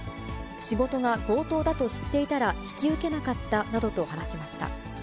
仕事が強盗だと知っていたら、引き受けなかったなどと話しました。